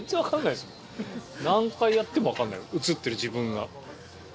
何回やってもわかんない映ってる自分が。